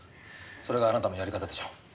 それがあなたのやり方でしょ？